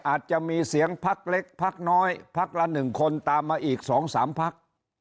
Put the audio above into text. อาจจะมีเสียงพักเล็กพักน้อยพักละ๑คนตามมาอีก๒๓พัก